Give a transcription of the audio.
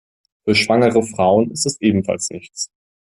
Für schwangere Frauen ist das ebenfalls nichts.